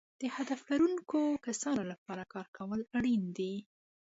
د هدف لرونکو کسانو لپاره کار کول اړین دي.